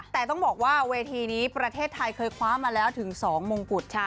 แต่ต้องบอกว่าเวทีนี้ประเทศไทยเคยคว้ามาแล้วถึง๒มงกุฎ